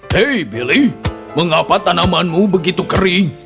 hei billy mengapa tanamanmu begitu kering